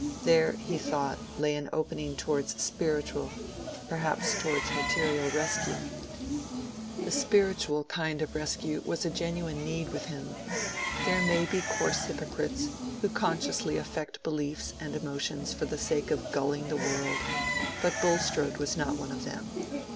There, he thought, lay an opening towards spiritual, perhaps towards material rescue. The spiritual kind of rescue was a genuine need with him. There may be coarse hypocrites, who consciously affect beliefs and emotions for the sake of gulling the world, but Bulstrode was not one of them.